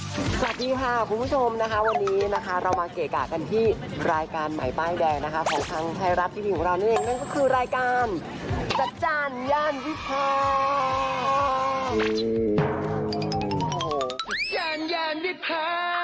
สวัสดีค่ะคุณผู้ชมนะคะวันนี้นะคะเรามาเกะกะกันที่รายการใหม่ป้ายแดงนะคะของทางไทยรัฐทีวีของเรานั่นเองนั่นก็คือรายการจัดจ้านย่านวิพานวิพา